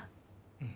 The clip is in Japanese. うん。